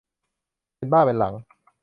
เป็นบ้าเป็นหลัง